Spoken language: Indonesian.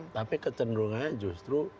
tapi kecenderungannya justru